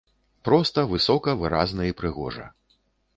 Проста, высока, выразна і прыгожа.